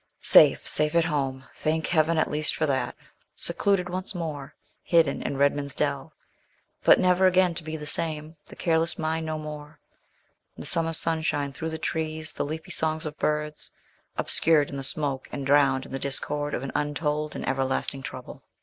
Safe, safe at home! Thank Heaven at least for that. Secluded once more hidden in Redman's Dell; but never again to be the same the careless mind no more. The summer sunshine through the trees, the leafy songs of birds, obscured in the smoke and drowned in the discord of an untold and everlasting trouble.